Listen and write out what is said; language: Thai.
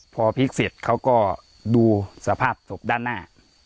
พอพลิกเสร็จเขาก็ดูสภาพศพด้านหน้า